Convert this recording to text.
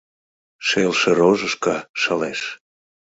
Шелше-рожышко шылеш.